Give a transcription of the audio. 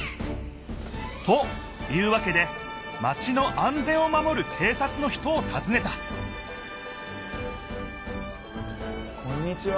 というわけでマチの安全を守る警察の人をたずねたこんにちは。